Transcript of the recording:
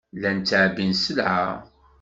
Llan ttɛebbin sselɛa.